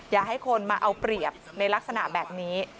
อย่าให้คนมาเอาเปรียบในลักษณะแบบนี้